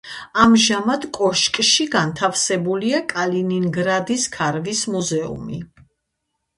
ამჟამად კოშკში განთავსებულია კალინინგრადის ქარვის მუზეუმი.